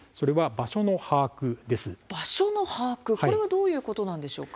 場所の把握、これはどういうことなんでしょうか。